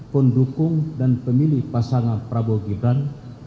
pendukung dan pemilih pasangan prabowo gibran